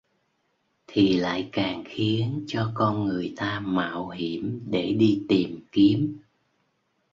Thì lại càng khiến cho con người ta mạo hiểm để đi tìm kiếm